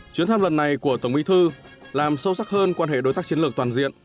chuyến thăm lần này của tổng bí thư làm sâu sắc hơn quan hệ đối tác chiến lược toàn diện